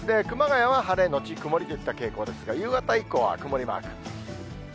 熊谷は晴れ後曇りといった傾向ですが、夕方以降は曇りマーク。